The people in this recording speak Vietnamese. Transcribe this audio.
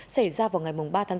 xảy ra vào ngày ba tháng bốn